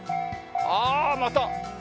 ああまた！